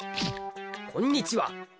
こんにちは。